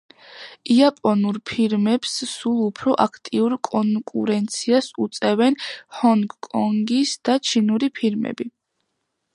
იაპონურ ფირმებს სულ უფრო აქტიურ კონკურენციას უწევენ ჰონგ-კონგის და ჩინური ფირმები.